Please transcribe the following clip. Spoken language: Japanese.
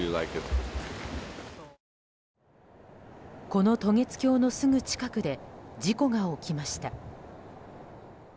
この渡月橋のすぐ近くで事故が起きました。